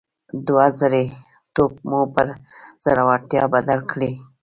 دوه زړي توب مو پر زړورتيا بدل کړئ.